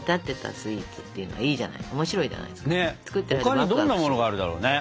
他にどんなものがあるだろうね？